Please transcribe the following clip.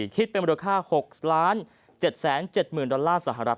คิดเป็นมูลค่า๖๗๗๐๐๐ดอลลาร์สหรัฐ